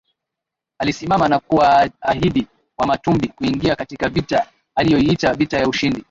alisimama na kuwaahidi Wamatumbi kuingia katika vita aliyoiita vita ya ushindi